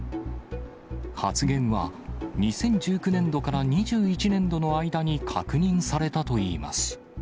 発言は、２０１９年度から２１年度の間に確認されたといいます。